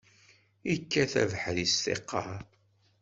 Ikkat abeḥri s tiqqaṛ.